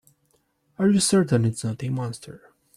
Are you certain it's not a monster?